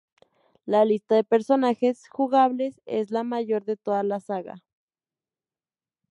La lista de personajes jugables es la mayor de toda la saga.